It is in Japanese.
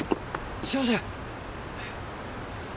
すいません！